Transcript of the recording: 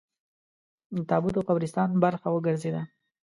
د تابوت او قبرستان برخه وګرځېده.